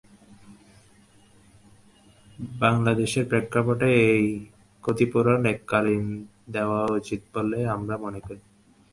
বাংলাদেশের প্রেক্ষাপটে এই ক্ষতিপূরণ এককালীন দেওয়া উচিত বলে আমরা মনে করি।